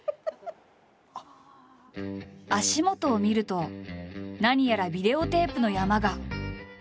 足元を見ると何やらビデオテープの山が。